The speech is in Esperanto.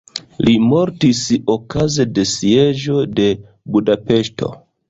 Li mortis okaze de sieĝo de Budapeŝto.